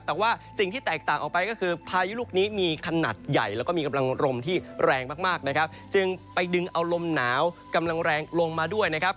แต่ว่าสิ่งที่แตกต่างออกไปก็คือพายุลูกนี้มีขนาดใหญ่แล้วก็มีกำลังลมที่แรงมากมากนะครับจึงไปดึงเอาลมหนาวกำลังแรงลงมาด้วยนะครับ